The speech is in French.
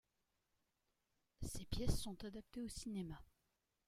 Ses pièces sont adaptées au cinéma.